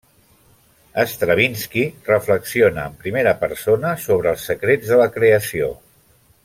Stravinski reflexiona en primera persona sobre els secrets de la creació.